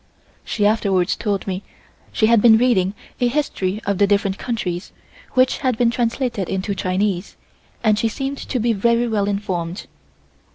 She afterwards told me she had been reading a history of the different countries, which had been translated into Chinese, and she seemed to be very well informed.